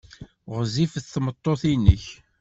Ɣezzifet tmeṭṭut-nnek?